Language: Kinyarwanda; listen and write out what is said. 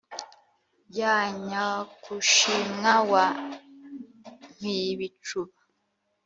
Rya Nyagushimwa wa Mpibicuba,